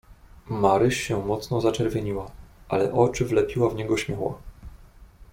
"Maryś się mocno zaczerwieniła, ale oczy wlepiła w niego śmiało."